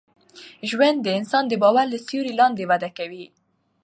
ژوند د انسان د باور له سیوري لاندي وده کوي.